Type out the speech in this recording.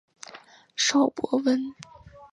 邵伯温。